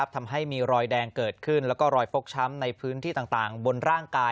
ทำให้มีรอยแดงเกิดขึ้นแล้วก็รอยฟกช้ำในพื้นที่ต่างบนร่างกาย